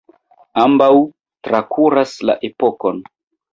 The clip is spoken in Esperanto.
Ambaŭ trakuras la epokon.